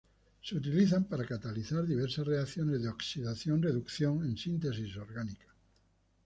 Se utiliza para catalizar diversas reacciones de oxidación-reducción en síntesis orgánica.